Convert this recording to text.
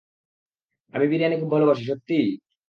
আমি বিরিয়ানি খুব ভালোবাসি - সত্যিই?